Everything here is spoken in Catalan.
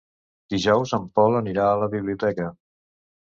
Dijous en Pol anirà a la biblioteca.